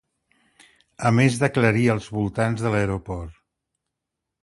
A més d'aclarir els voltants de l'aeroport.